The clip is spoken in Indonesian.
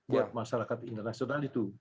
buat masyarakat internasional